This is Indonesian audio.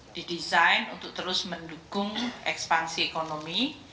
didesain untuk terus mendukung ekspansi ekonomi